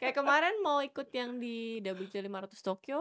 kayak kemarin mau ikut yang di wts lima ratus tokyo